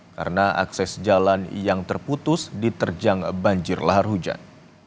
karena akses jalan yang terputus diterjang banjir lahar hujan